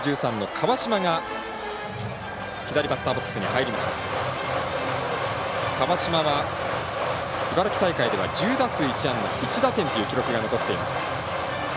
川島は、茨城大会では１０打数１安打、１打点という記録が残っています。